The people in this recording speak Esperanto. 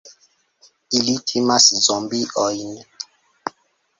Ili timas zombiojn!